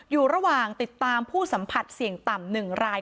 อยู่ระหว่างติดตามผู้สัมผัสเสี่ยงต่ำ๑ราย